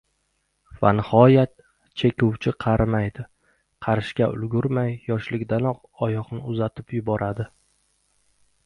Va nihoyat, chekuvchi qarimaydi, qarishga ulgurmay yoshligidayoq “oyoqni uzatib” yuboradi”.